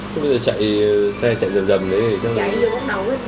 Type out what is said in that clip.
thế bây giờ chạy xe chạy dầm dầm đấy thì chắc là